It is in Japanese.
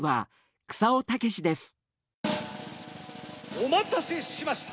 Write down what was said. おまたせしました！